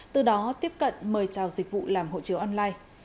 từ đó tiếp cận mời trào dịch vụ làm hộ chiếu online